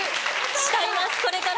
慕いますこれから。